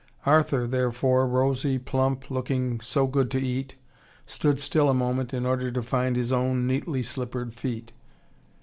Arthur, therefore, rosy, plump, looking so good to eat, stood still a moment in order to find his own neatly slippered feet.